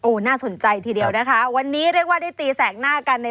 โอ้น่าสนใจทีเดียวนะคะ